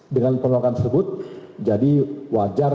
dengan penolakan tersebut jadi wajar